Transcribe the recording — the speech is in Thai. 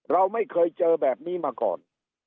เราไม่เคยเจอแบบนี้มาก่อน